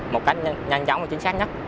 một cách nhanh chóng và chính xác nhất